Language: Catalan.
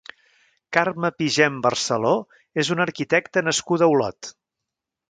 Carme Pigem Barceló és una arquitecta nascuda a Olot.